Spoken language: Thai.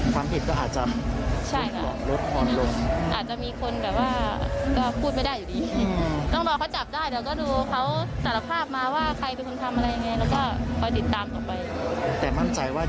แต่มั่นใจว่ายังไงก็เกี่ยวข้องกับมาต้องแน่นอนใช่ไหม